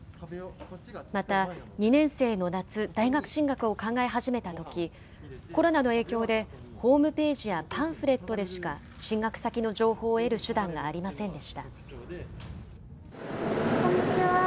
また、２年生の夏、大学進学を考え始めたとき、コロナの影響で、ホームページやパンフレットでしか、進学先の情報を得る手段がありませんでした。